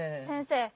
先生。